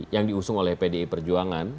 yang diusung oleh pdi perjuangan